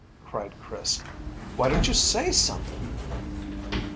cried Chris. "Why don't you say something?"